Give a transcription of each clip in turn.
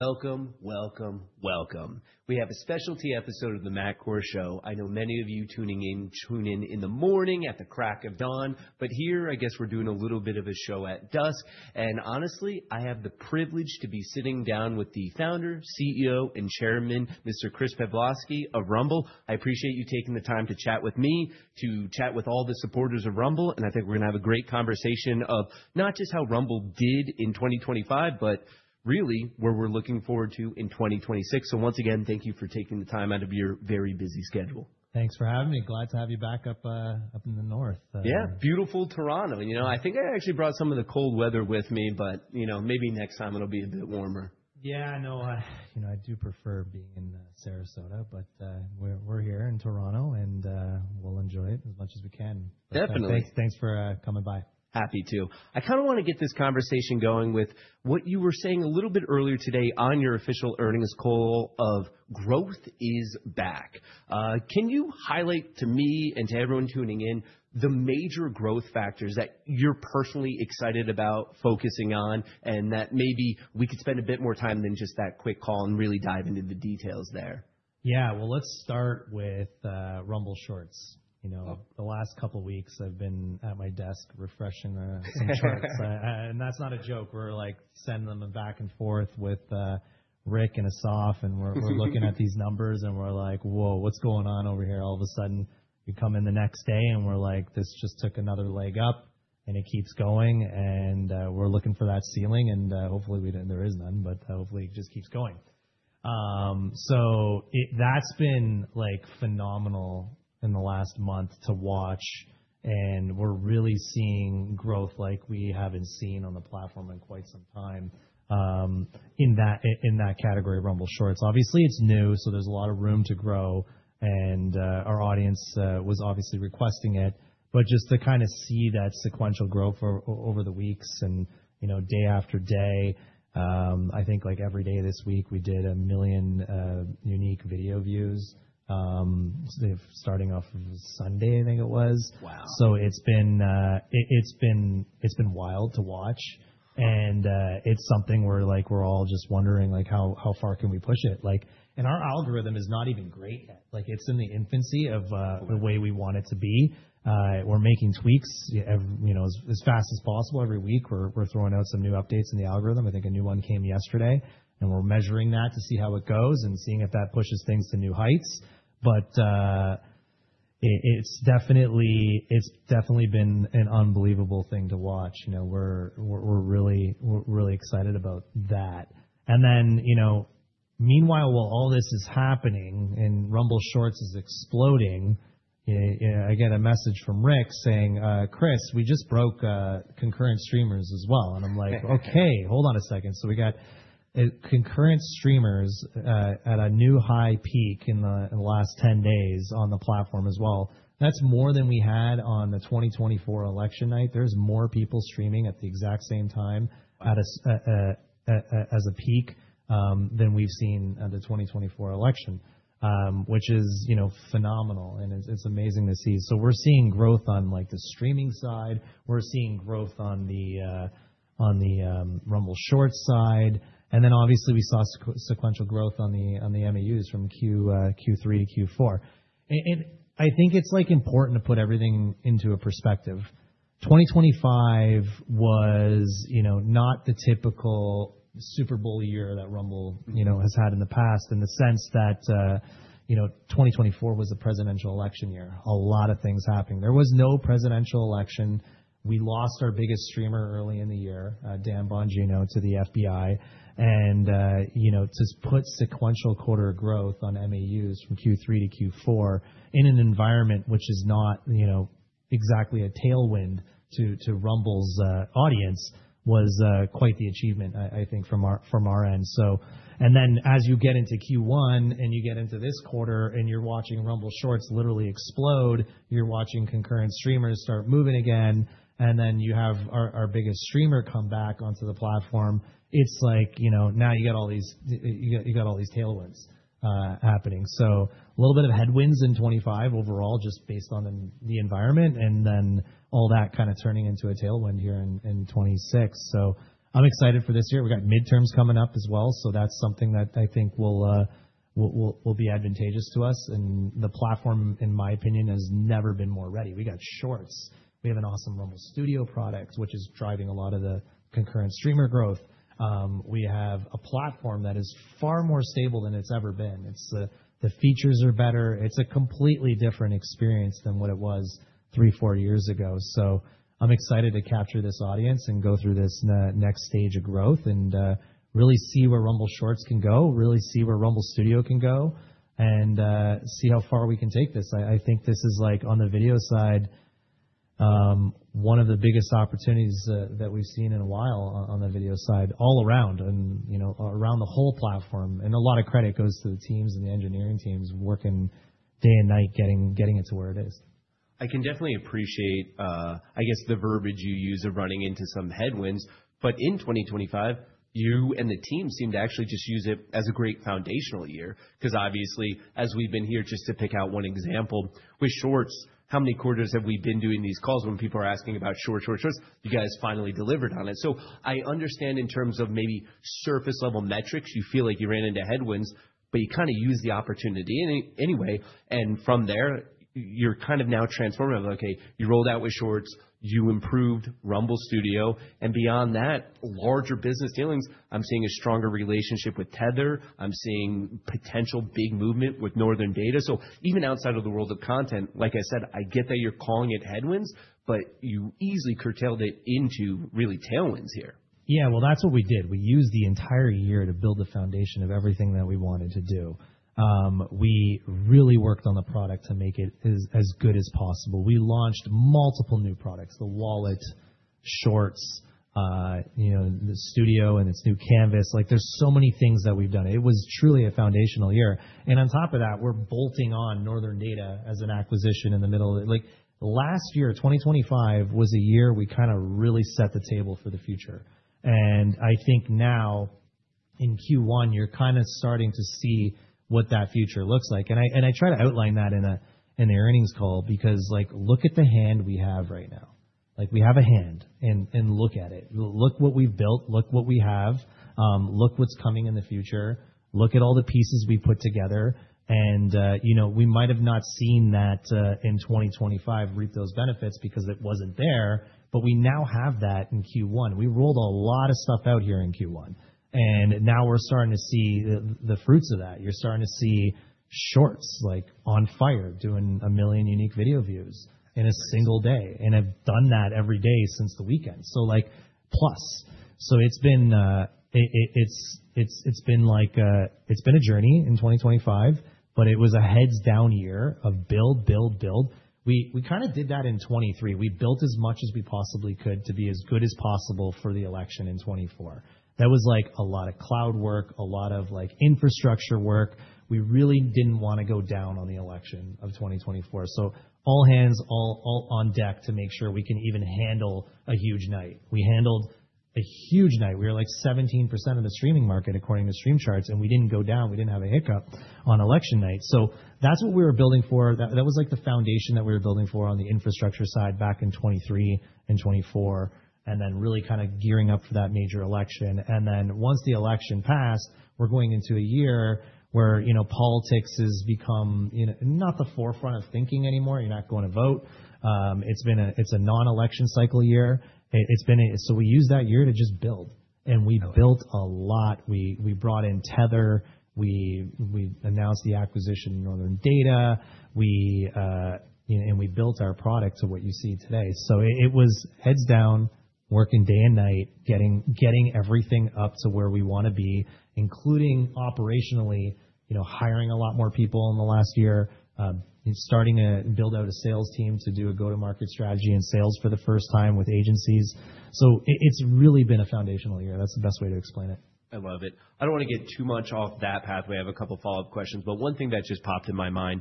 Welcome, welcome. We have a specialty episode of The Matt Kohrs Show. I know many of you tuning in, tune in in the morning at the crack of dawn, but here, I guess we're doing a little bit of a show at dusk. Honestly, I have the privilege to be sitting down with the Founder, CEO, and Chairman, Mr. Chris Pavlovski of Rumble. I appreciate you taking the time to chat with me, to chat with all the supporters of Rumble, and I think we're gonna have a great conversation of not just how Rumble did in 2025, but really where we're looking forward to in 2026. Once again, thank you for taking the time out of your very busy schedule. Thanks for having me. Glad to have you back up in the North. Yeah. Beautiful Toronto. You know, I think I actually brought some of the cold weather with me. You know, maybe next time it'll be a bit warmer. I know. You know, I do prefer being in Sarasota, but we're here in Toronto and we'll enjoy it as much as we can. Definitely. Thanks for coming by. Happy to. I kinda wanna get this conversation going with what you were saying a little bit earlier today on your official earnings call of growth is back. Can you highlight to me and to everyone tuning in the major growth factors that you're personally excited about focusing on, and that maybe we could spend a bit more time than just that quick call and really dive into the details there? Yeah. Well, let's start with Rumble Shorts. You know. The last couple weeks I've been at my desk refreshing some charts. That's not a joke. We're, like, sending them back and forth with Rick and Asaf, and we're looking at these numbers, and we're like, "Whoa, what's going on over here?" All of a sudden, we come in the next day and we're like, "This just took another leg up," and it keeps going and we're looking for that ceiling, and hopefully there is none, but hopefully it just keeps going. That's been, like, phenomenal in the last month to watch, and we're really seeing growth like we haven't seen on the platform in quite some time, in that category, Rumble Shorts. Obviously, it's new, so there's a lot of room to grow and our audience was obviously requesting it. Just to kinda see that sequential growth over the weeks and, you know, day after day, I think, like, every day this week, we did $1 million unique video views, starting off Sunday, I think it was. Wow. It's been wild to watch. Wow. It's something we're like, we're all just wondering, like, how far can we push it? Like, our algorithm is not even great yet. Like, it's in the infancy of the way we want it to be. We're making tweaks, you know, as fast as possible. Every week, we're throwing out some new updates in the algorithm. I think a new one came yesterday. We're measuring that to see how it goes and seeing if that pushes things to new heights. It's definitely been an unbelievable thing to watch. You know, we're really excited about that. You know, meanwhile, while all this is happening and Rumble Shorts is exploding, I get a message from Rick saying, "Chris, we just broke concurrent streamers as well." I'm like, "Okay, hold on a second." We got concurrent streamers at a new high peak in the last 10 days on the platform as well. That's more than we had on the 2024 election night. There's more people streaming at the exact same time at a peak than we've seen at the 2024 election, which is, you know, phenomenal, and it's amazing to see. We're seeing growth on, like, the streaming side, we're seeing growth on the Rumble Shorts side. Then obviously we saw sequential growth on the MAUs from Q3-Q4. I think it's, like, important to put everything into a perspective. 2025 was, you know, not the typical Super Bowl year that Rumble has had in the past in the sense that, you know, 2024 was a presidential election year. A lot of things happening. There was no presidential election. We lost our biggest streamer early in the year, Dan Bongino, to the FBI. You know, to put sequential quarter growth on MAUs from Q3-Q4 in an environment which is not, you know, exactly a tailwind to Rumble's audience was quite the achievement, I think from our, from our end, so. As you get into Q1 and you get into this quarter and you're watching Rumble Shorts literally explode, you're watching concurrent streamers start moving again, and then you have our biggest streamer come back onto the platform, it's like, you know, now you got all these tailwinds happening. A little bit of headwinds in 25 overall, just based on the environment, and then all that kinda turning into a tailwind here in 2026. I'm excited for this year. We got midterms coming up as well, so that's something that I think will be advantageous to us. The platform, in my opinion, has never been more ready. We got Shorts. We have an awesome Rumble Studio product, which is driving a lot of the concurrent streamer growth. We have a platform that is far more stable than it's ever been. It's, the features are better. It's a completely different experience than what it was 3, 4 years ago. I'm excited to capture this audience and go through this next stage of growth and really see where Rumble Shorts can go, really see where Rumble Studio can go, and see how far we can take this. I think this is like, on the video side, one of the biggest opportunities that we've seen in a while on the video side all around and, you know, around the whole platform. A lot of credit goes to the teams and the engineering teams working day and night getting it to where it is. I can definitely appreciate, I guess the verbiage you use of running into some headwinds. But in 2025, you and the team seemed to actually just use it as a great foundational year, 'cause obviously, as we've been here, just to pick out one example, with Shorts, how many quarters have we been doing these calls when people are asking about Shorts, Shorts? You guys finally delivered on it. So I understand in terms of maybe surface-level metrics, you feel like you ran into headwinds, but you kinda used the opportunity anyway, and from there you're kind of now transforming. Okay, you rolled out with Shorts, you improved Rumble Studio, and beyond that, larger business dealings. I'm seeing a stronger relationship with Tether. I'm seeing potential big movement with Northern Data. Even outside of the world of content, like I said, I get that you're calling it headwinds, but you easily curtailed it into really tailwinds here. Yeah. Well, that's what we did. We used the entire year to build a foundation of everything that we wanted to do. We really worked on the product to make it as good as possible. We launched multiple new products, the Wallet, Shorts, you know, the Studio and its new canvas. Like, there's so many things that we've done. It was truly a foundational year. On top of that, we're bolting on Northern Data as an acquisition in the middle of it. Like, last year, 2025 was a year we kinda really set the table for the future. I think now in Q1, you're kinda starting to see what that future looks like. I try to outline that in the earnings call because, like, look at the hand we have right now. Like, we have a hand, look at it. Look what we've built. Look what we have. Look what's coming in the future. Look at all the pieces we put together, you know, we might have not seen that in 2025 reap those benefits because it wasn't there, but we now have that in Q1. We rolled a lot of stuff out here in Q1, and now we're starting to see the fruits of that. You're starting to see Shorts, like, on fire, doing 1 million unique video views in a single day, and have done that every day since the weekend. Like, plus. It's been like, it's been a journey in 2025, but it was a heads down year of build, build. We kinda did that in 2023. We built as much as we possibly could to be as good as possible for the election in 2024. That was, like, a lot of cloud work, a lot of, like, infrastructure work. We really didn't wanna go down on the election of 2024. All hands, all on deck to make sure we can even handle a huge night. We handled a huge night. We were, like, 17% of the streaming market according to Streams Charts, and we didn't go down. We didn't have a hiccup on election night. That's what we were building for. That was, like, the foundation that we were building for on the infrastructure side back in 2023 and 2024, and then really kinda gearing up for that major election. Then once the election passed, we're going into a year where, you know, politics has become, you know, not the forefront of thinking anymore. You're not going to vote. It's a nonelection cycle year. We used that year to just build, and we built a lot. We, we brought in Tether. We, we announced the acquisition of Northern Data. We, you know, and we built our product to what you see today. It, it was heads down, working day and night, getting everything up to where we wanna be, including operationally, you know, hiring a lot more people in the last year, starting to build out a sales team to do a go-to-market strategy and sales for the first time with agencies. It-it's really been a foundational year. That's the best way to explain it. I love it. I don't wanna get too much off that pathway. I have a couple follow-up questions, but one thing that just popped in my mind,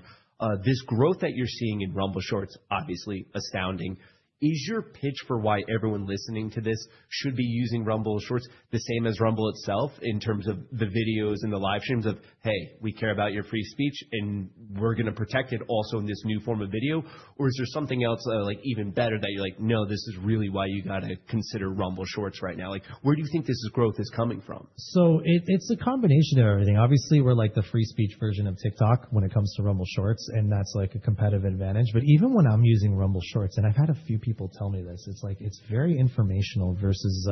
this growth that you're seeing in Rumble Shorts, obviously astounding. Is your pitch for why everyone listening to this should be using Rumble Shorts the same as Rumble itself in terms of the videos and the livestreams of, "Hey, we care about your free speech, and we're gonna protect it also in this new form of video"? Is there something else, like, even better that you're like, "No, this is really why you gotta consider Rumble Shorts right now"? Like, where do you think this growth is coming from? It's a combination of everything. Obviously, we're like the free speech version of TikTok when it comes to Rumble Shorts, and that's, like, a competitive advantage. Even when I'm using Rumble Shorts, and I've had a few people tell me this, it's like it's very informational versus,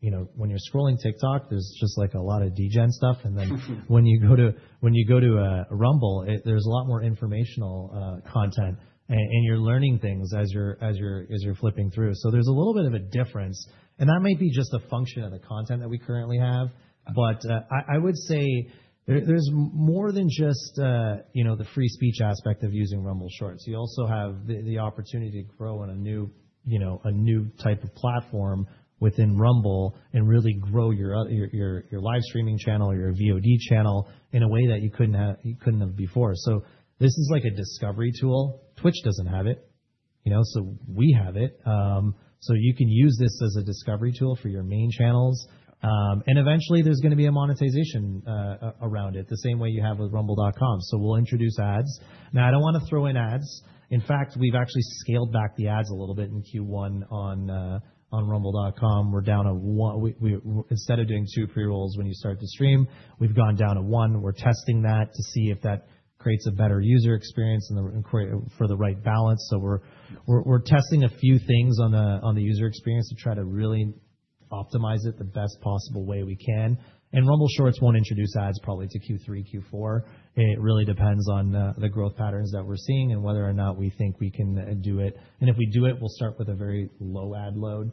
you know, when you're scrolling TikTok, there's just, like, a lot of degen stuff. Then when you go to Rumble, there's a lot more informational content, and you're learning things as you're flipping through. There's a little bit of a difference, and that might be just a function of the content that we currently have. I would say there's more than just, you know, the free speech aspect of using Rumble Shorts. You also have the opportunity to grow in a new, you know, a new type of platform within Rumble and really grow your livestreaming channel or your VOD channel in a way that you couldn't have, you couldn't have before. This is like a discovery tool. Twitch doesn't have it, you know, so we have it. You can use this as a discovery tool for your main channels. And eventually there's gonna be a monetization around it, the same way you have with rumble.com. We'll introduce ads. I don't wanna throw in ads. In fact, we've actually scaled back the ads a little bit in Q1 on rumble.com. We're down to one. Instead of doing two pre-rolls when you start to stream, we've gone down to one. We're testing that to see if that creates a better user experience and create for the right balance. We're testing a few things on the user experience to try to really optimize it the best possible way we can. Rumble Shorts won't introduce ads probably till Q3, Q4. It really depends on the growth patterns that we're seeing and whether or not we think we can do it. If we do it, we'll start with a very low ad load.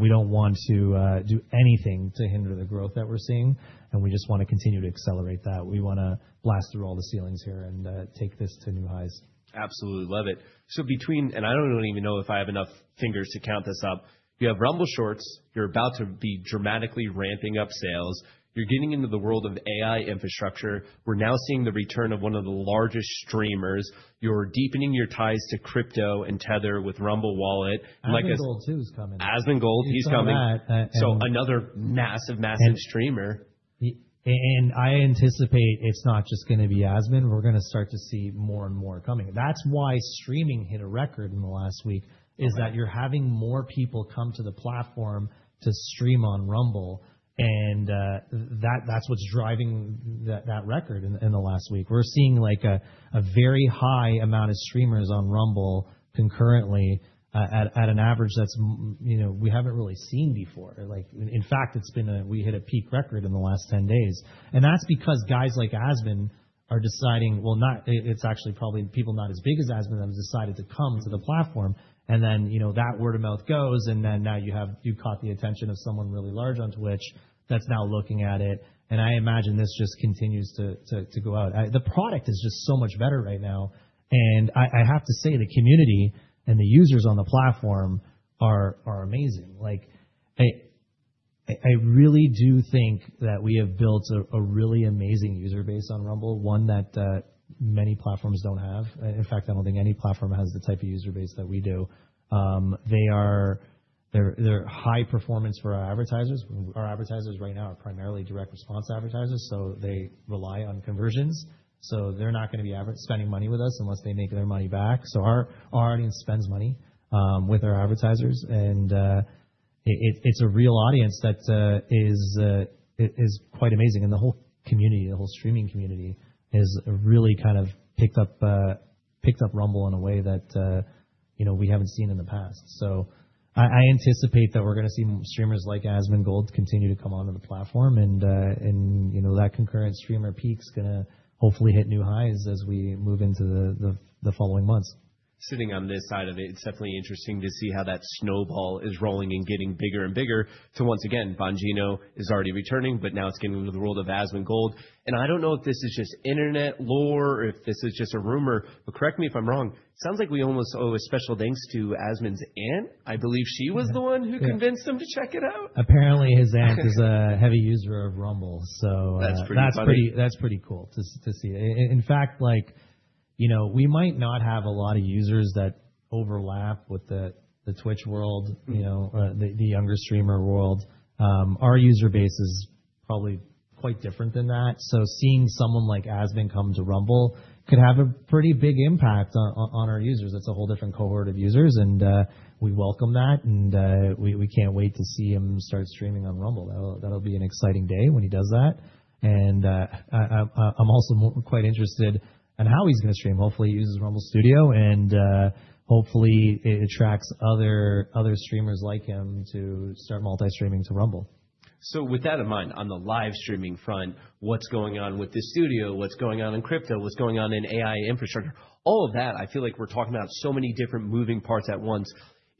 We don't want to do anything to hinder the growth that we're seeing, and we just wanna continue to accelerate that. We wanna blast through all the ceilings here and take this to new highs. Absolutely love it. Between, and I don't even know if I have enough fingers to count this up. You have Rumble Shorts. You're about to be dramatically ramping up sales. You're getting into the world of AI infrastructure. We're now seeing the return of one of the largest streamers. You're deepening your ties to crypto and Tether with Rumble Wallet. Asmongold too is coming. Asmongold, he's coming. He saw that. Another massive streamer. I anticipate it's not just gonna be Asmon. We're gonna start to see more and more coming. That's why streaming hit a record in the last week, is that you're having more people come to the platform to stream on Rumble, and that's what's driving that record in the last week. We're seeing like a very high amount of streamers on Rumble concurrently, at an average that's you know, we haven't really seen before. In fact, we hit a peak record in the last 10 days. That's because guys like Asmon are deciding, well, not. It's actually probably people not as big as Asmon that have decided to come to the platform. You know, that word of mouth goes, now you caught the attention of someone really large on Twitch that's now looking at it. I imagine this just continues to go out. The product is just so much better right now. I have to say, the community and the users on the platform are amazing. Like, I really do think that we have built a really amazing user base on Rumble, one that many platforms don't have. In fact, I don't think any platform has the type of user base that we do. They're high performance for our advertisers. Our advertisers right now are primarily direct response advertisers, so they rely on conversions. They're not gonna be spending money with us unless they make their money back. Our audience spends money with our advertisers, and it's a real audience that is quite amazing. The whole community, the whole streaming community has really kind of picked up Rumble in a way that, you know, we haven't seen in the past. I anticipate that we're gonna see streamers like Asmongold continue to come onto the platform and, you know, that concurrent streamer peak's gonna hopefully hit new highs as we move into the following months. Sitting on this side of it's definitely interesting to see how that snowball is rolling and getting bigger and bigger to, once again, Bongino is already returning, but now it's getting into the world of Asmongold. I don't know if this is just internet lore or if this is just a rumor. Correct me if I'm wrong, sounds like we almost owe a special thanks to Asmon's aunt. I believe she was the one who convinced him to check it out. Apparently, his aunt is a heavy user of Rumble. That's pretty funny. That's pretty cool to see. In fact, like, you know, the younger streamer world. Our user base is probably quite different than that. Seeing someone like Asmon come to Rumble could have a pretty big impact on our users. It's a whole different cohort of users, and we welcome that, and we can't wait to see him start streaming on Rumble. That'll be an exciting day when he does that. I'm also quite interested in how he's gonna stream. Hopefully, he uses Rumble Studio, and hopefully it attracts other streamers like him to start multi-streaming to Rumble. With that in mind, on the live streaming front, what's going on with the Rumble Studio, what's going on in crypto, what's going on in AI infrastructure, all of that, I feel like we're talking about so many different moving parts at once.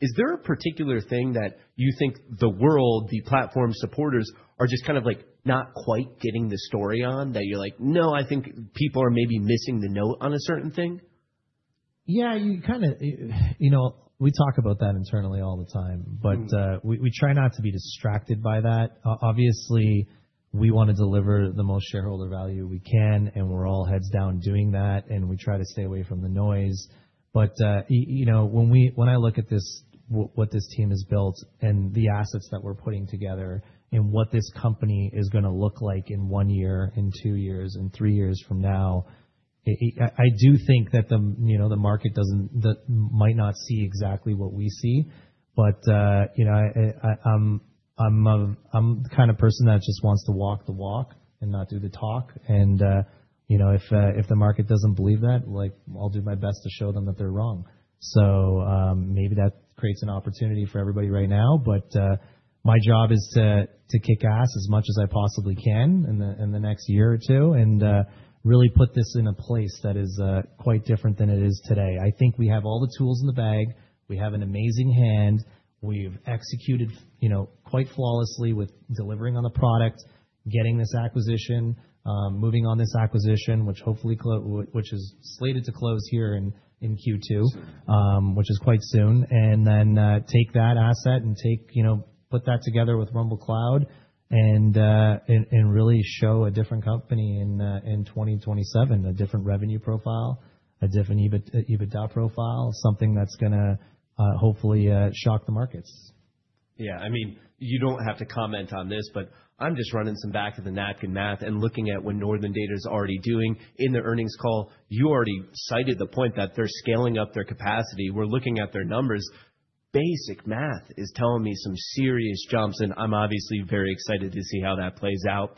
Is there a particular thing that you think the world, the platform supporters are just kind of, like, not quite getting the story on? That you're like, "No, I think people are maybe missing the note on a certain thing. Yeah. You kinda, you know, we talk about that internally all the time, but, we try not to be distracted by that. Obviously, we wanna deliver the most shareholder value we can, and we're all heads down doing that, and we try to stay away from the noise. You know, when I look at this, what this team has built and the assets that we're putting together and what this company is gonna look like in one year, in two years, in three years from now, I, I do think that the, you know, the market doesn't might not see exactly what we see. You know, I, I'm a, I'm the kind of person that just wants to walk the walk and not do the talk. you know, if the market doesn't believe that, like, I'll do my best to show them that they're wrong. maybe that creates an opportunity for everybody right now. my job is to kick ass as much as I possibly can in the next year or two and really put this in a place that is quite different than it is today. I think we have all the tools in the bag. We have an amazing hand. We've executed, you know, quite flawlessly with delivering on the product, getting this acquisition, moving on this acquisition, which hopefully which is slated to close here in Q2. Soon. Which is quite soon. Take that asset and take, you know, put that together with Rumble Cloud and really show a different company in 2027, a different revenue profile, a different EBIT, EBITDA profile, something that's gonna hopefully shock the markets. Yeah. I mean, you don't have to comment on this, but I'm just running some back of the napkin math and looking at what Northern Data is already doing. In the earnings call, you already cited the point that they're scaling up their capacity. We're looking at their numbers. Basic math is telling me some serious jumps, and I'm obviously very excited to see how that plays out.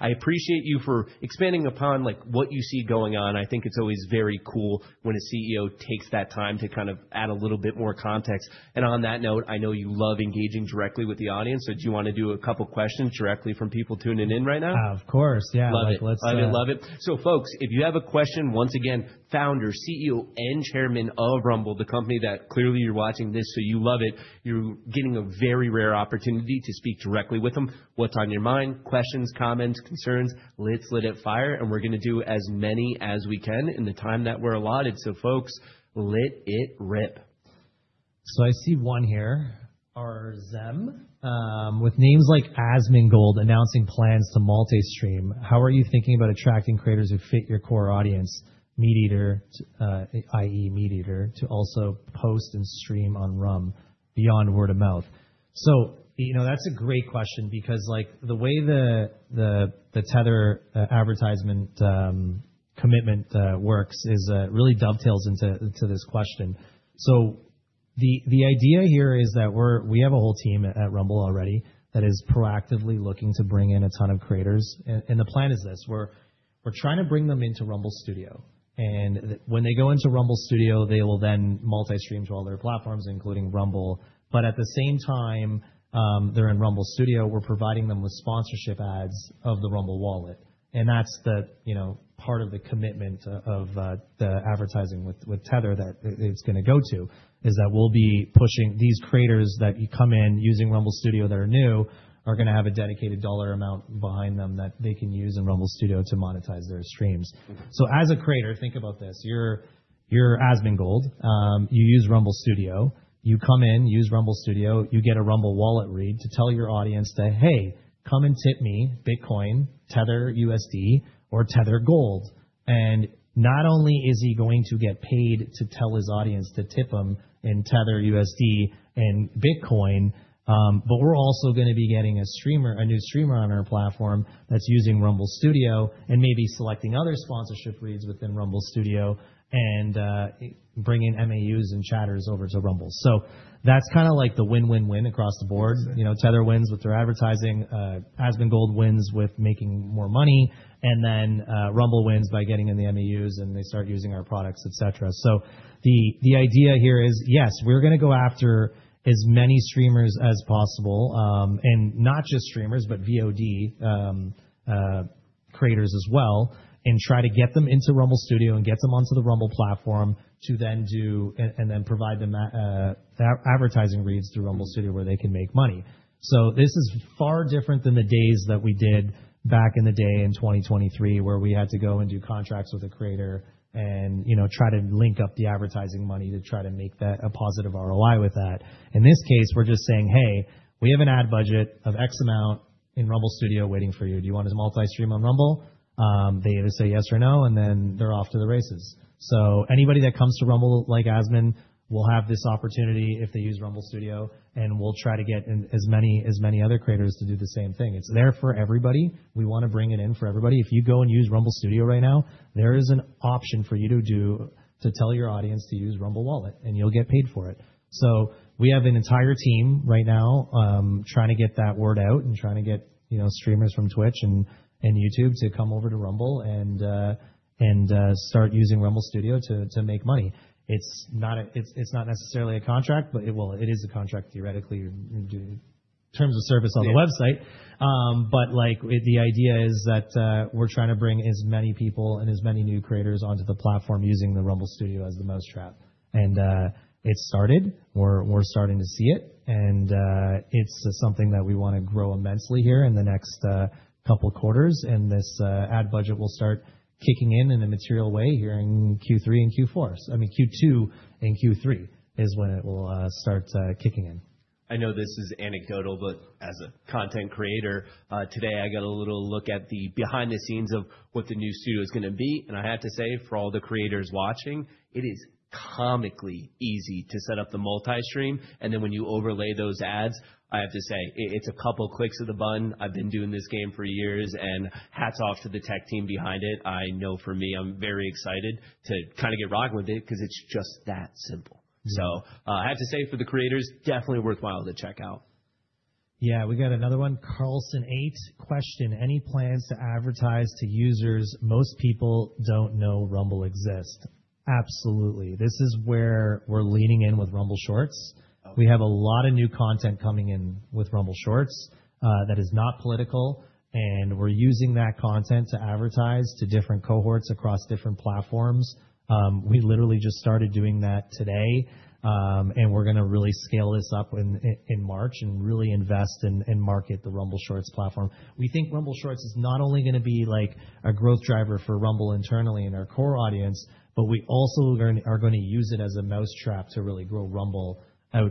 I appreciate you for expanding upon, like, what you see going on. I think it's always very cool when a CEO takes that time to kind of add a little bit more context. On that note, I know you love engaging directly with the audience, so do you wanna do a couple questions directly from people tuning in right now? Of course. Yeah. Love it. Love it, love it. Folks, if you have a question, once again, Founder, CEO, and Chairman of Rumble, the company that clearly you're watching this, so you love it. You're getting a very rare opportunity to speak directly with him. What's on your mind? Questions, comments, concerns? Let's lit it fire, and we're gonna do as many as we can in the time that we're allotted. Folks, lit it rip. I see one here. Hazem. With names like Asmongold announcing plans to multi-stream, how are you thinking about attracting creators who fit your core audience MeatEater, i.e. MeatEater, to also post and stream on Rumble beyond word of mouth? You know, that's a great question because, like, the way the Tether advertisement commitment works is really dovetails into this question. The idea here is that we have a whole team at Rumble already that is proactively looking to bring in a ton of creators. The plan is this. We're trying to bring them into Rumble Studio, and when they go into Rumble Studio, they will then multi-stream to all their platforms, including Rumble. At the same time, they're in Rumble Studio, we're providing them with sponsorship ads of the Rumble Wallet. That's the, you know, part of the commitment of the advertising with Tether that it's gonna go to, is that we'll be pushing these creators that come in using Rumble Studio that are new are gonna have a dedicated dollar amount behind them that they can use in Rumble Studio to monetize their streams. As a creator, think about this. You're Asmongold. You use Rumble Studio. You come in, you use Rumble Studio. You get a Rumble Wallet read to tell your audience to, "Hey, come and tip me Bitcoin, Tether USD, or Tether Gold." Not only is he going to get paid to tell his audience to tip him in Tether USD and Bitcoin, but we're also gonna be getting a streamer, a new streamer on our platform that's using Rumble Studio and maybe selecting other sponsorship reads within Rumble Studio and bringing MAUs and chatters over to Rumble. That's kinda like the win-win-win across the board. You know, Tether wins with their advertising, Asmongold wins with making more money, and then Rumble wins by getting in the MAUs, and they start using our products, et cetera. The idea here is, yes, we're gonna go after as many streamers as possible, and not just streamers, but VOD creators as well, and try to get them into Rumble Studio and get them onto the Rumble platform to then provide them advertising reads through Rumble Studio where they can make money. This is far different than the days that we did back in the day in 2023, where we had to go and do contracts with a creator and, you know, try to link up the advertising money to try to make that a positive ROI with that. In this case, we're just saying, "Hey, we have an ad budget of X amount in Rumble Studio waiting for you. Do you want to multi-stream on Rumble?" They either say yes or no, they're off to the races. Anybody that comes to Rumble, like Asmon, will have this opportunity if they use Rumble Studio, and we'll try to get in as many other creators to do the same thing. It's there for everybody. We wanna bring it in for everybody. If you go and use Rumble Studio right now, there is an option for you to tell your audience to use Rumble Wallet, and you'll get paid for it. We have an entire team right now, trying to get that word out and trying to get, you know, streamers from Twitch and YouTube to come over to Rumble and start using Rumble Studio to make money. It's not necessarily a contract, but it will. It is a contract theoretically in terms of service on the website. But, like, the idea is that we're trying to bring as many people and as many new creators onto the platform using the Rumble Studio as the mousetrap. It started. We're starting to see it. It's something that we wanna grow immensely here in the next couple quarters. This ad budget will start kicking in in a material way here in Q3 and Q4. I mean, Q2 and Q3 is when it will start kicking in. I know this is anecdotal, but as a content creator, today I got a little look at the behind-the-scenes of what the new studio is gonna be. I have to say, for all the creators watching, it is comically easy to set up the multi-stream. Then when you overlay those ads, I have to say, it's a couple clicks of the button. I've been doing this game for years, and hats off to the tech team behind it. I know for me, I'm very excited to kinda get rocking with it 'cause it's just that simple. Yeah. I have to say, for the creators, definitely worthwhile to check out. Yeah. We got another one. Carlson8 question: Any plans to advertise to users? Most people don't know Rumble exists. Absolutely. This is where we're leaning in with Rumble Shorts. We have a lot of new content coming in with Rumble Shorts that is not political, and we're using that content to advertise to different cohorts across different platforms. We literally just started doing that today, and we're gonna really scale this up in March and really invest and market the Rumble Shorts platform. We think Rumble Shorts is not only gonna be like a growth driver for Rumble internally in our core audience, but we also are gonna use it as a mousetrap to really grow Rumble out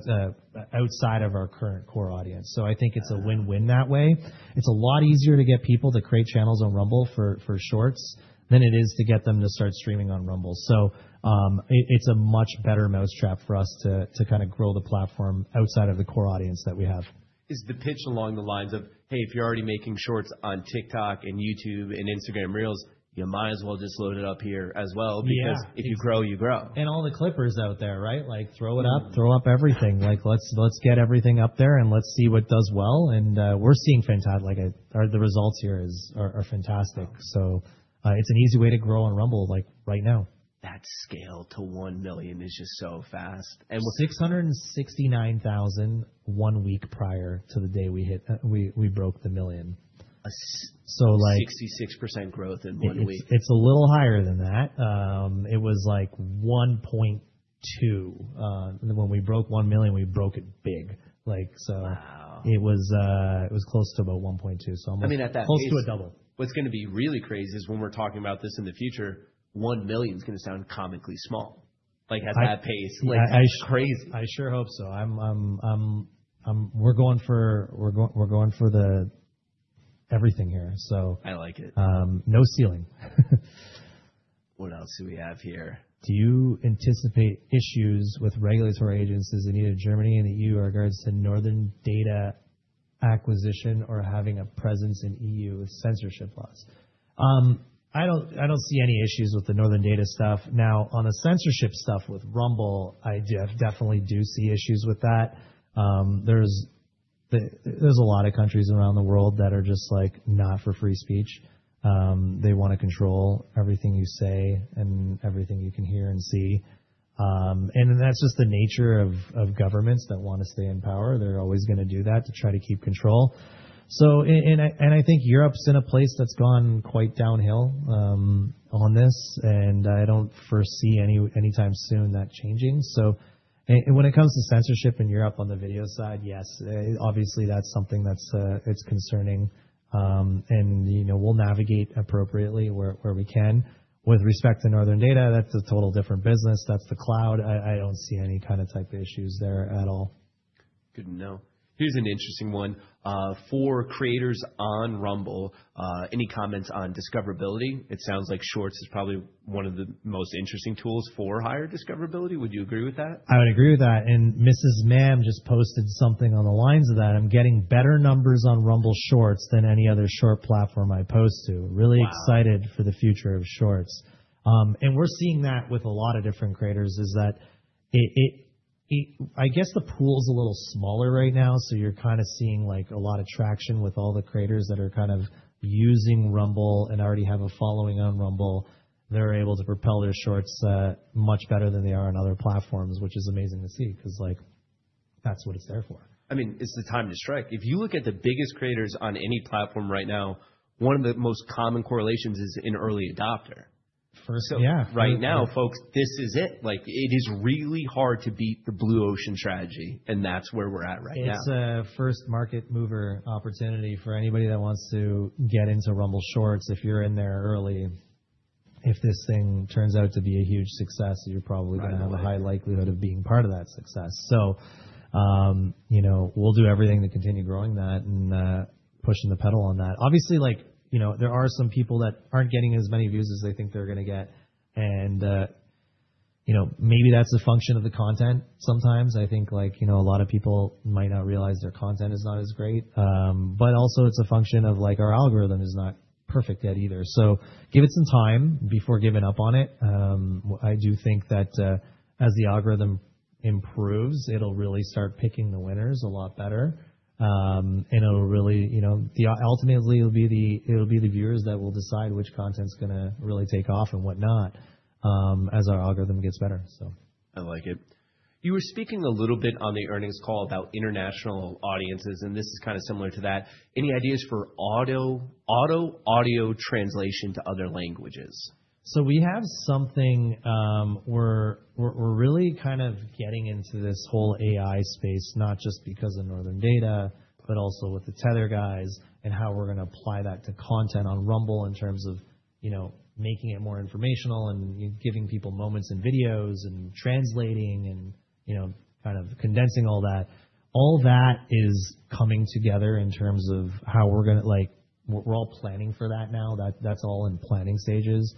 outside of our current core audience. I think it's a win-win that way. It's a lot easier to get people to create channels on Rumble for Shorts than it is to get them to start streaming on Rumble. It's a much better mousetrap for us to kinda grow the platform outside of the core audience that we have. Is the pitch along the lines of, "Hey, if you're already making Shorts on TikTok and YouTube and Instagram Reels, you might as well just load it up here as well? Yeah. because if you grow, you grow. All the Clippers out there, right? Like, throw it up, throw up everything. Like, let's get everything up there, and let's see what does well. We're seeing the results here are fantastic. It's an easy way to grow on Rumble, like right now. That scale to 1 million is just so fast. 669,000 one week prior to the day we broke the million. A s- So like- 66% growth in one week. It's a little higher than that. It was like 1.2. Then when we broke 1 million, we broke it big. Wow! It was close to about 1.2. I mean, at that pace Close to a double. What's gonna be really crazy is when we're talking about this in the future, 1 million is gonna sound comically small. Like at that pace. I- Like, it's crazy. I sure hope so. We're going for the everything here, so. I like it. No ceiling. What else do we have here? Do you anticipate issues with regulatory agencies in either Germany and the EU in regards to Northern Data acquisition or having a presence in EU censorship laws? I don't, I don't see any issues with the Northern Data stuff. Now, on the censorship stuff with Rumble, I definitely do see issues with that. There's a lot of countries around the world that are just, like, not for free speech. They wanna control everything you say and everything you can hear and see. That's just the nature of governments that wanna stay in power. They're always gonna do that to try to keep control. I think Europe's in a place that's gone quite downhill, on this, and I don't foresee any, anytime soon that changing. When it comes to censorship in Europe on the video side, yes, obviously that's something that's, it's concerning. you know, we'll navigate appropriately where we can. With respect to Northern Data, that's a total different business. That's the cloud. I don't see any kind of type of issues there at all. Good to know. Here's an interesting one. For creators on Rumble, any comments on discoverability? It sounds like Shorts is probably one of the most interesting tools for higher discoverability. Would you agree with that? I would agree with that. Mrs. Mam just posted something on the lines of that. I'm getting better numbers on Rumble Shorts than any other short platform I post to. Wow. Really excited for the future of Shorts. We're seeing that with a lot of different creators, is that it. I guess the pool is a little smaller right now. You're kinda seeing, like, a lot of traction with all the creators that are kind of using Rumble and already have a following on Rumble. They're able to propel their shorts much better than they are on other platforms, which is amazing to see, 'cause, like, that's what it's there for. I mean, it's the time to strike. If you look at the biggest creators on any platform right now, one of the most common correlations is in early adopter. For sure, yeah. Right now, folks, this is it. Like, it is really hard to beat the blue ocean strategy. That's where we're at right now. It's a first market mover opportunity for anybody that wants to get into Rumble Shorts. If you're in there early, if this thing turns out to be a huge success, you're probably gonna have a high likelihood of being part of that success. You know, we'll do everything to continue growing that and pushing the pedal on that. Obviously, like, you know, there are some people that aren't getting as many views as they think they're gonna get, and you know, maybe that's a function of the content. Sometimes I think, like, you know, a lot of people might not realize their content is not as great, but also it's a function of, like, our algorithm is not perfect yet either. Give it some time before giving up on it. I do think that, as the algorithm improves, it'll really start picking the winners a lot better. It'll really, you know... Ultimately, it'll be the viewers that will decide which content's gonna really take off and whatnot, as our algorithm gets better, so. I like it. You were speaking a little bit on the earnings call about international audiences, this is kind of similar to that. Any ideas for auto audio translation to other languages? We have something, we're really kind of getting into this whole AI space, not just because of Northern Data, but also with the Tether guys and how we're gonna apply that to content on Rumble in terms of, you know, making it more informational and giving people moments and videos and translating and, you know, kind of condensing all that. All that is coming together in terms of how we're gonna, like, we're all planning for that now. That's all in planning stages.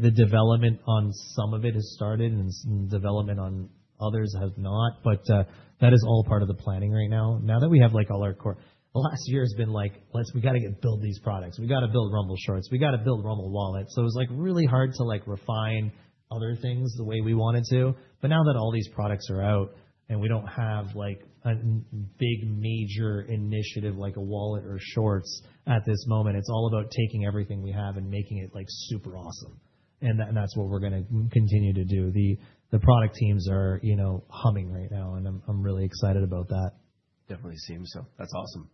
The development on some of it has started and some development on others has not. That is all part of the planning right now. Now that we have, like, all our core... The last year has been like, "Listen, we gotta build these products. We gotta build Rumble Shorts. We gotta build Rumble Wallet. It was, like, really hard to, like, refine other things the way we wanted to. Now that all these products are out and we don't have, like, a big major initiative like a wallet or shorts at this moment, it's all about taking everything we have and making it, like, super awesome. That's what we're gonna continue to do. The product teams are, you know, humming right now, and I'm really excited about that. Definitely seems so. That's awesome.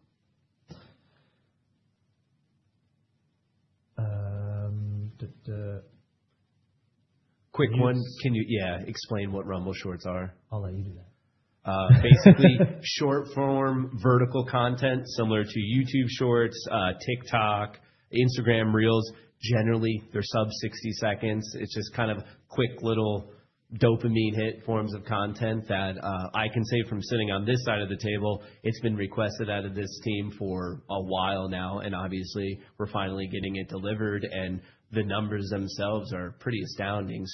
Quick one. Can you, yeah, explain what Rumble Shorts are? I'll let you do that. Basically short-form vertical content similar to YouTube Shorts, TikTok, Instagram Reels. Generally, they're sub 60 seconds. It's just kind of quick little dopamine hit forms of content that I can say from sitting on this side of the table, it's been requested out of this team for a while now. Obviously we're finally getting it delivered. The numbers themselves are pretty astounding.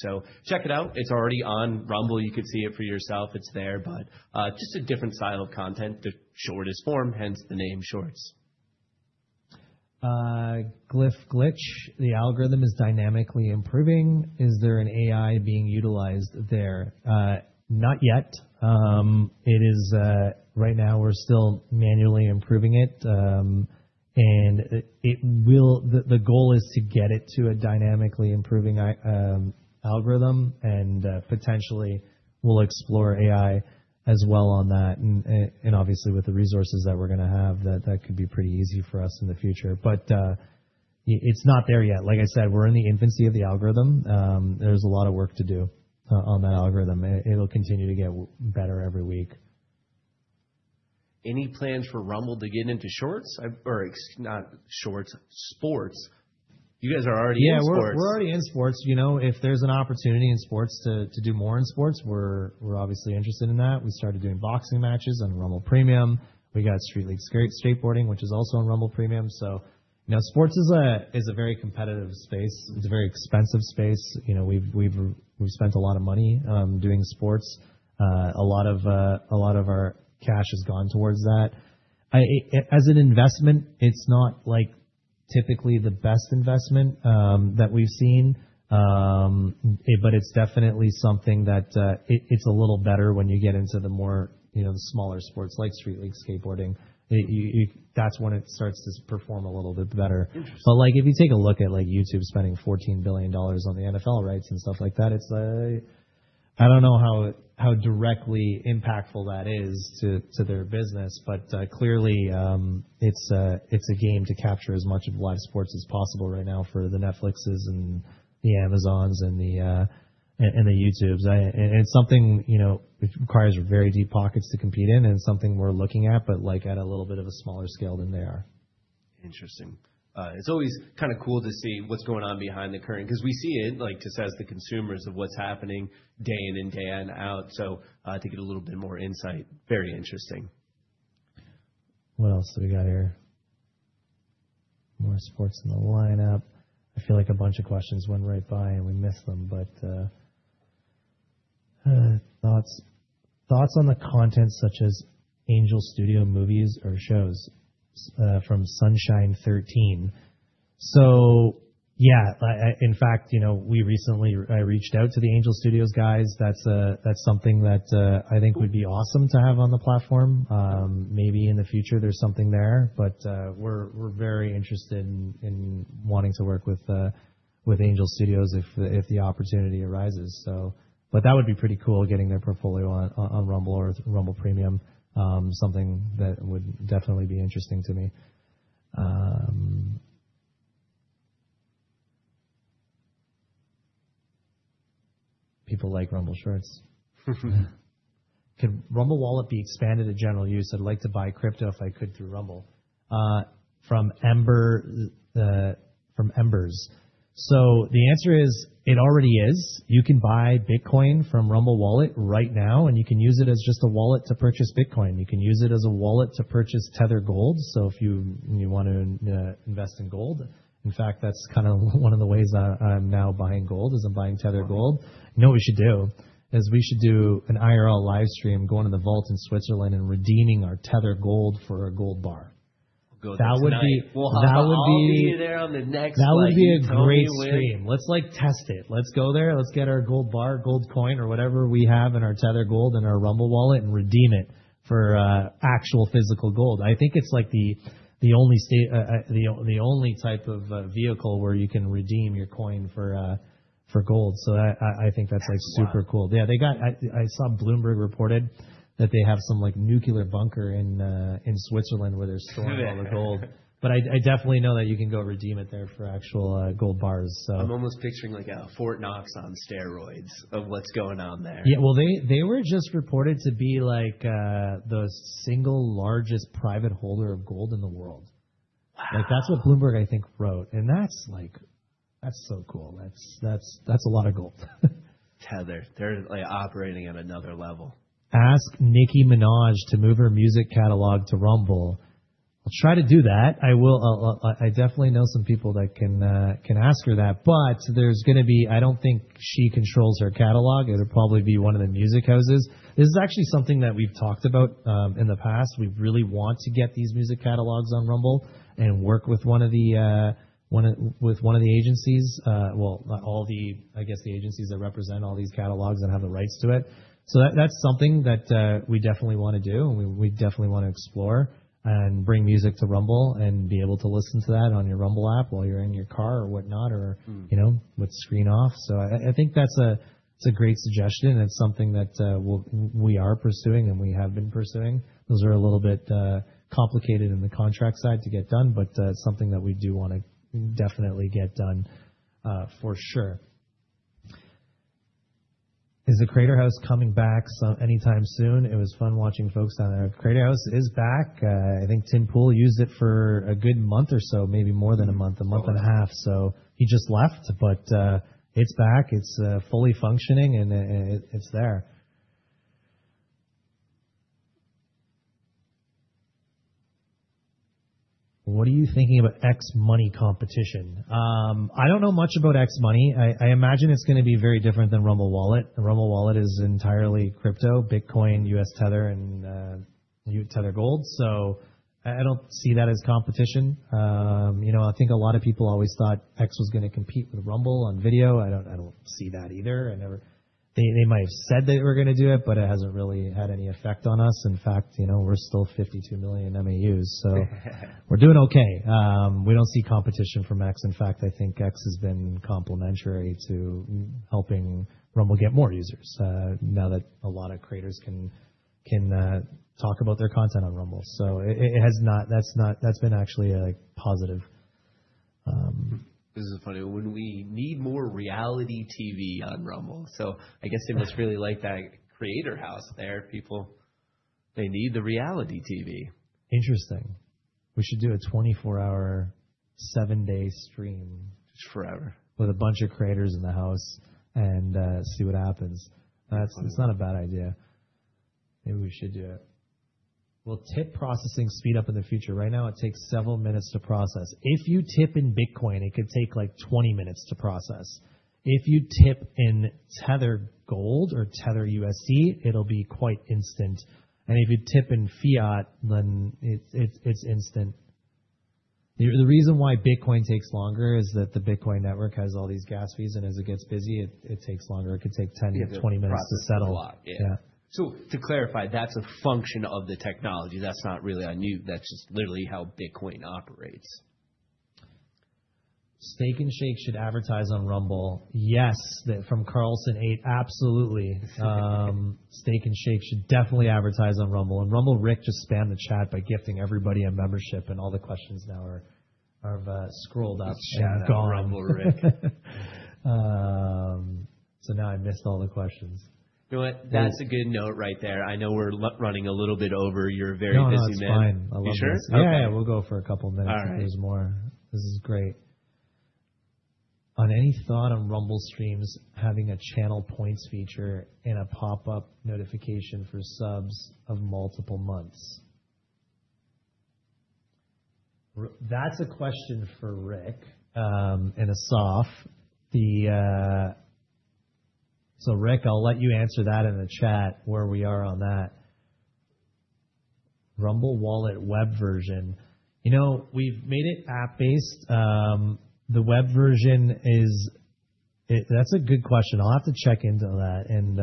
Check it out. It's already on Rumble. You could see it for yourself. It's there. Just a different style of content. The shortest form, hence the name Shorts. Glyph Glitch. The algorithm is dynamically improving. Is there an AI being utilized there? Not yet. It is right now we're still manually improving it. The goal is to get it to a dynamically improving AI algorithm and potentially we'll explore AI as well on that. Obviously with the resources that we're gonna have, that could be pretty easy for us in the future. It's not there yet. Like I said, we're in the infancy of the algorithm. There's a lot of work to do on that algorithm. It'll continue to get better every week. Any plans for Rumble to get into shorts or, not shorts, sports? You guys are already in sports. Yeah, we're already in sports. You know, if there's an opportunity in sports to do more in sports, we're obviously interested in that. We started doing boxing matches on Rumble Premium. We got Street League Skateboarding, which is also on Rumble Premium. Now sports is a very competitive space. It's a very expensive space. You know, we've spent a lot of money doing sports. A lot of our cash has gone towards that. As an investment, it's not like typically the best investment that we've seen. It's definitely something that it's a little better when you get into the more, you know, the smaller sports like Street League Skateboarding. That's when it starts to perform a little bit better. Like, if you take a look at like YouTube spending $14 billion on the NFL rights and stuff like that, it's like, I don't know how directly impactful that is to their business, clearly, it's a game to capture as much of live sports as possible right now for the Netflixes and the Amazons and the YouTubes. It's something, you know, it requires very deep pockets to compete in and something we're looking at, but like at a little bit of a smaller scale than they are. Interesting. It's always kinda cool to see what's going on behind the curtain because we see it like just as the consumers of what's happening day in and day on out. To get a little bit more insight, very interesting. What else do we got here? More sports in the lineup. I feel like a bunch of questions went right by, and we missed them. Thoughts on the content such as Angel Studios movies or shows from SunshineThirteen. Yeah, I, in fact, you know, we recently I reached out to the Angel Studios guys. That's something that I think would be awesome to have on the platform. Maybe in the future there's something there. We're very interested in wanting to work with Angel Studios if the opportunity arises. That would be pretty cool getting their portfolio on Rumble or Rumble Premium, something that would definitely be interesting to me. People like Rumble Shorts. Can Rumble Wallet be expanded to general use? I'd like to buy crypto if I could through Rumble, from Embers. The answer is, it already is. You can buy Bitcoin from Rumble Wallet right now, and you can use it as just a wallet to purchase Bitcoin. You can use it as a wallet to purchase Tether Gold. If you wanna invest in gold, in fact, that's kinda one of the ways I'm now buying gold, is I'm buying Tether Gold. You know what we should do, is we should do an IRL live stream going to the vault in Switzerland and redeeming our Tether Gold for a gold bar. Go there tonight. That would be. Well, I'll meet you there on the next flight. You count me in. That would be a great stream. Let's like test it. Let's go there. Let's get our gold bar, gold coin or whatever we have in our Tether Gold in our Rumble Wallet and redeem it for actual physical gold. I think it's like the only type of vehicle where you can redeem your coin for gold. I think that's like super cool. That's wild. Yeah, I saw Bloomberg reported that they have some like nuclear bunker in Switzerland where they're storing all the gold. I definitely know that you can go redeem it there for actual gold bars. I'm almost picturing like a Fort Knox on steroids of what's going on there. Yeah. Well, they were just reported to be like, the single largest private holder of gold in the world. Wow. Like, that's what Bloomberg, I think, wrote. That's like, that's so cool. That's a lot of gold. Tether, they're like operating at another level. Ask Nicki Minaj to move her music catalog to Rumble. I'll try to do that. I will. I'll definitely know some people that can ask her that, but I don't think she controls her catalog. It'll probably be one of the music houses. This is actually something that we've talked about in the past. We really want to get these music catalogs on Rumble and work with one of the agencies, well, all the, I guess, the agencies that represent all these catalogs that have the rights to it. That, that's something that we definitely wanna do, and we definitely wanna explore and bring music to Rumble and be able to listen to that on your Rumble app while you're in your car or whatnot or. You know, with screen off. I think that's a, that's a great suggestion. It's something that we are pursuing and we have been pursuing. Those are a little bit complicated in the contract side to get done, but something that we do wanna definitely get done for sure. Is the Creator House coming back anytime soon? It was fun watching folks down there. Creator House is back. I think Tim Pool used it for a good month or so, maybe more than a month- Oh, wow. A month and a half. He just left, but it's back. It's fully functioning, and it's there. What are you thinking about X Money competition? I don't know much about X Money. I imagine it's gonna be very different than Rumble Wallet. Rumble Wallet is entirely crypto, Bitcoin, US Tether, and US Tether Gold. I don't see that as competition. You know, I think a lot of people always thought X was gonna compete with Rumble on video. I don't see that either. They might have said they were gonna do it, but it hasn't really had any effect on us. In fact, you know, we're still 52 million MAUs. We're doing okay. We don't see competition from X. I think X has been complementary to helping Rumble get more users, now that a lot of creators can talk about their content on Rumble. It has not. That's been actually a positive. This is funny. Would we need more reality TV on Rumble? I guess they must really like that Creator House there, people. They need the reality TV. Interesting. We should do a 24-hour, 7-day stream- Forever With a bunch of creators in the house and see what happens. It's not a bad idea. Maybe we should do it. Will tip processing speed up in the future? Right now, it takes several minutes to process. If you tip in Bitcoin, it could take like 20 minutes to process. If you tip in Tether Gold or Tether USAT, it'll be quite instant. If you tip in fiat, then it's instant. The reason why Bitcoin takes longer is that the Bitcoin network has all these gas fees, and as it gets busy, it takes longer. It could take 10 to 20 minutes to settle. Process a lot. Yeah. Yeah. To clarify, that's a function of the technology. That's not really on you. That's just literally how Bitcoin operates. Steak 'n Shake should advertise on Rumble. Yes. From Carlson8. Absolutely. Steak 'n Shake should definitely advertise on Rumble. Rumble Rick just spammed the chat by gifting everybody a membership, and all the questions now are scrolled up and gone. Rumble Rick. Now I missed all the questions. You know what? That's a good note right there. I know we're running a little bit over. You're a very busy man. No, no, it's fine. I love this. You sure? It's okay. Yeah, yeah. We'll go for a couple minutes. All right. If there's more. This is great. On any thought on Rumble streams having a channel points feature and a pop-up notification for subs of multiple months. That's a question for Rick and Asaf. The... Rick, I'll let you answer that in the chat where we are on that. Rumble Wallet web version. You know, we've made it app-based. The web version is... That's a good question. I'll have to check into that and,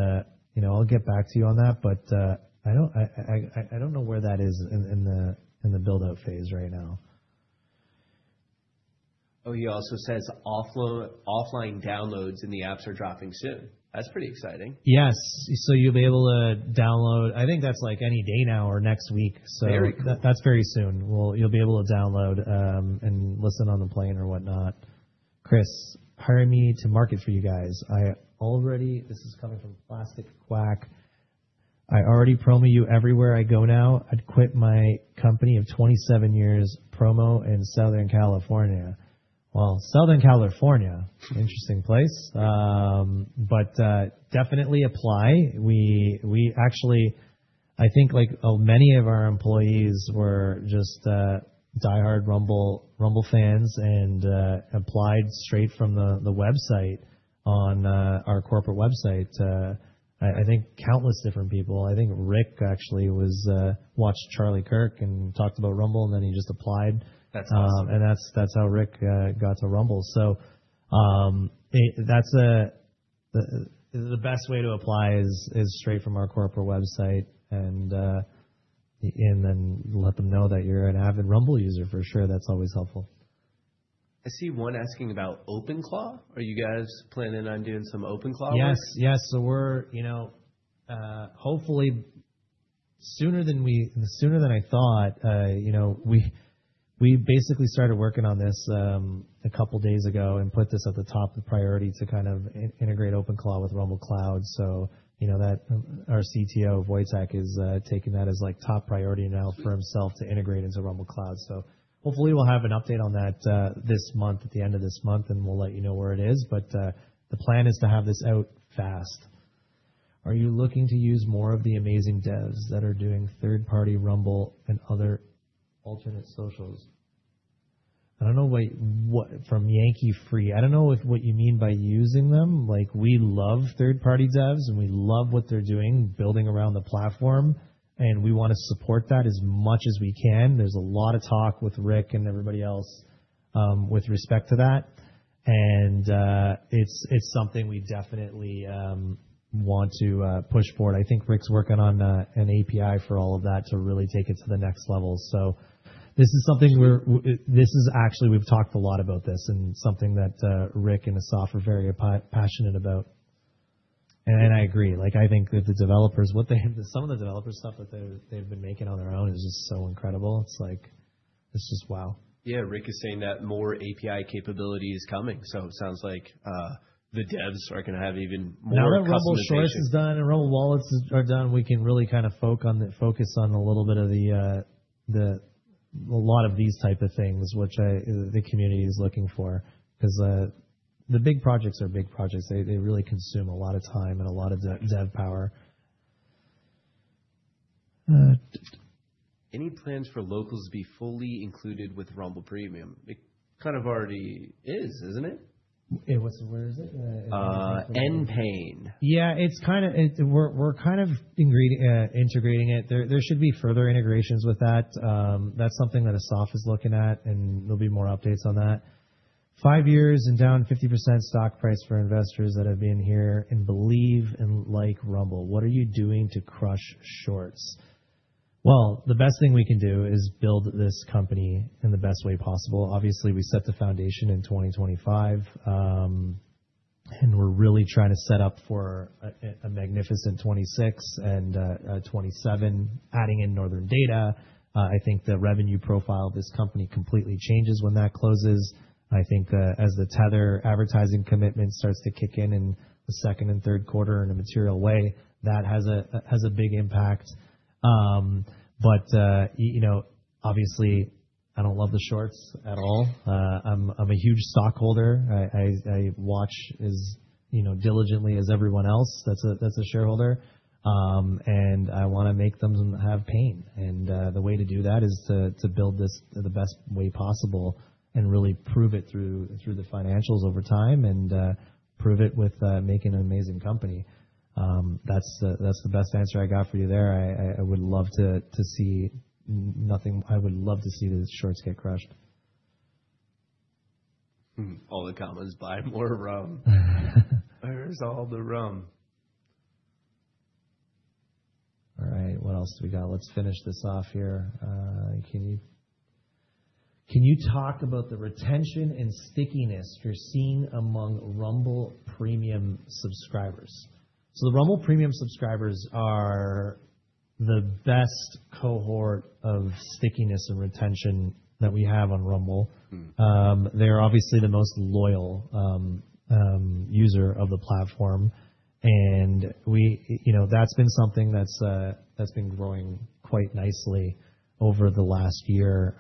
you know, I'll get back to you on that. I don't know where that is in the build-out phase right now. Oh, he also says offline downloads in the apps are dropping soon. That's pretty exciting. Yes. You'll be able to download. I think that's like any day now or next week. Very cool. That's very soon. You'll be able to download and listen on the plane or whatnot. Chris, hire me to market for you guys. This is coming from Plastic Quack. I already promo you everywhere I go now. I'd quit my company of 27 years promo in Southern California. Well, Southern California, interesting place. Definitely apply. We actually I think like many of our employees were just diehard Rumble fans and applied straight from the website on our corporate website. I think countless different people. I think Rick actually was watched Charlie Kirk and talked about Rumble, and then he just applied. That's awesome. That's how Rick got to Rumble. That's the best way to apply is straight from our corporate website and then let them know that you're an avid Rumble user for sure. That's always helpful. I see one asking about OpenClaw. Are you guys planning on doing some OpenClaw works? Yes. Yes. We're, you know, hopefully sooner than I thought, you know, we basically started working on this a couple days ago and put this at the top of the priority to kind of integrate OpenClaw with Rumble Cloud. You know that our CTO, Wojciech, is taking that as like top priority now for himself to integrate into Rumble Cloud. Hopefully we'll have an update on that this month, at the end of this month, and we'll let you know where it is. The plan is to have this out fast. Are you looking to use more of the amazing devs that are doing third-party Rumble and other alternate socials? I don't know what From Yankee Free. I don't know if what you mean by using them. Like, we love third-party devs, and we love what they're doing building around the platform, and we wanna support that as much as we can. There's a lot of talk with Rick and everybody else, with respect to that. It's something we definitely want to push forward. I think Rick's working on an API for all of that to really take it to the next level. This is actually, we've talked a lot about this and something that Rick and Asaf are very passionate about. I agree. Like, I think that the developers, Some of the developer stuff that they've been making on their own is just so incredible. It's like, this is wow. Yeah. Rick is saying that more API capability is coming. It sounds like the devs are gonna have even more customization. Now that Rumble Shorts is done and Rumble Wallets are done, we can really kinda focus on a little bit of the, a lot of these type of things which the community is looking for. 'Cause the big projects are big projects. They really consume a lot of time and a lot of dev power. Any plans for Locals to be fully included with Rumble Premium? It kind of already is, isn't it? It was. Where is it? N-Pain. Yeah, it's kinda integrating it. There should be further integrations with that. That's something that Asaf is looking at, and there'll be more updates on that. Five years and down 50% stock price for investors that have been here and believe and like Rumble. What are you doing to crush shorts? Well, the best thing we can do is build this company in the best way possible. Obviously, we set the foundation in 2025, and we're really trying to set up for a magnificent 2026 and 2027 adding in Northern Data. I think the revenue profile of this company completely changes when that closes. I think, as the Tether advertising commitment starts to kick in in the second and third quarter in a material way, that has a big impact. You know, obviously I don't love the shorts at all. I'm a huge stockholder. I watch as, you know, diligently as everyone else that's a shareholder. I wanna make them have pain. The way to do that is to build this the best way possible and really prove it through the financials over time and prove it with making an amazing company. That's the best answer I got for you there. I would love to see nothing. I would love to see the shorts get crushed. All the commas, buy more rum. Where's all the rum? All right, what else do we got? Let's finish this off here. Can you talk about the retention and stickiness you're seeing among Rumble Premium subscribers? The Rumble Premium subscribers are the best cohort of stickiness and retention that we have on Rumble. They're obviously the most loyal user of the platform. You know, that's been something that's been growing quite nicely over the last year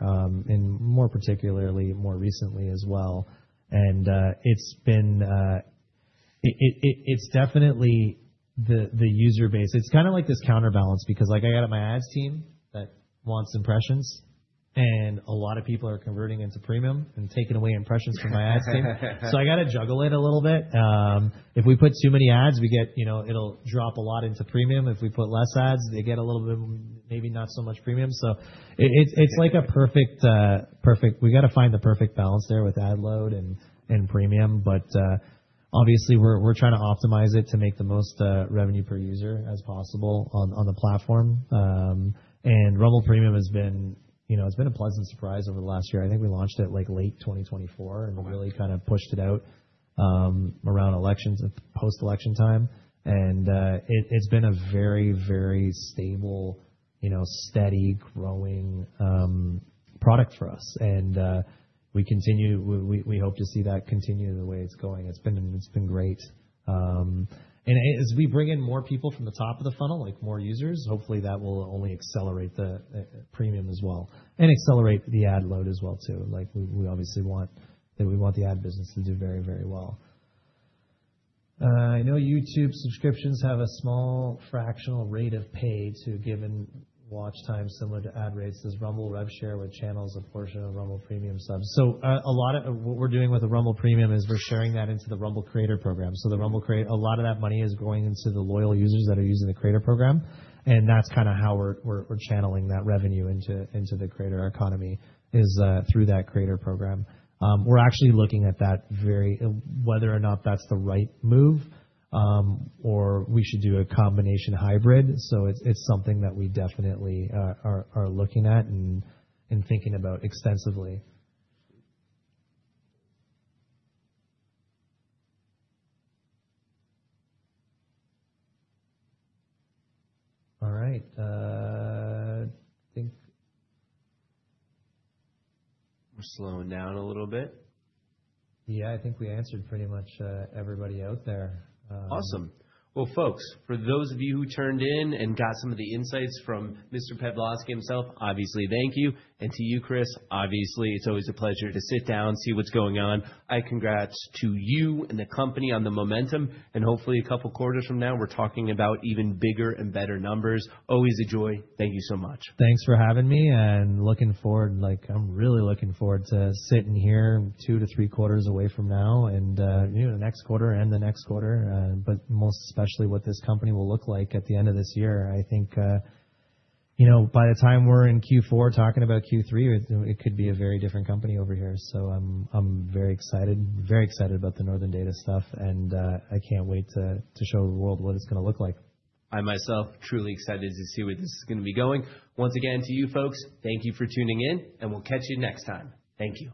and more particularly more recently as well. It's been. It's definitely the user base. It's kinda like this counterbalance because, like, I got my ads team that wants impressions, and a lot of people are converting into premium and taking away impressions from my ads team. I gotta juggle it a little bit. If we put too many ads, we get, you know, it'll drop a lot into premium. If we put less ads, they get a little bit, maybe not so much premium. It's like a perfect. We gotta find the perfect balance there with ad load and premium. Obviously we're trying to optimize it to make the most revenue per user as possible on the platform. Rumble Premium has been, you know, it's been a pleasant surprise over the last year. I think we launched it, like, late 2024 and really kind of pushed it out around elections, post-election time. It's been a very, very stable, you know, steady growing product for us. We hope to see that continue the way it's going. It's been great. As we bring in more people from the top of the funnel, like more users, hopefully that will only accelerate the premium as well, and accelerate the ad load as well too. Like, we obviously want the ad business to do very, very well. I know YouTube subscriptions have a small fractional rate of pay to given watch time similar to ad rates. Does Rumble rev share with channels a portion of Rumble Premium subs? A lot of what we're doing with the Rumble Premium is we're sharing that into the Rumble Creator Program. A lot of that money is going into the loyal users that are using the Creator Program, and that's kinda how we're channeling that revenue into the Creator economy, is through that Creator Program. We're actually looking at that. Whether or not that's the right move, or we should do a combination hybrid. It's something that we definitely are looking at and thinking about extensively. All right. We're slowing down a little bit. Yeah, I think we answered pretty much, everybody out there. Awesome. Well, folks, for those of you who tuned in and got some of the insights from Mr. Pavlovski himself, obviously, thank you. To you, Chris, obviously, it's always a pleasure to sit down, see what's going on. I congrats to you and the company on the momentum, and hopefully a couple quarters from now, we're talking about even bigger and better numbers. Always a joy. Thank you so much. Thanks for having me. Looking forward. Like, I'm really looking forward to sitting here 2-3 quarters away from now and, you know, the next quarter and the next quarter. Most especially what this company will look like at the end of this year. I think, you know, by the time we're in Q4 talking about Q3, it could be a very different company over here. I'm very excited, very excited about the Northern Data stuff, and I can't wait to show the world what it's gonna look like. I myself truly excited to see where this is gonna be going. Once again to you folks, thank you for tuning in, and we'll catch you next time. Thank you.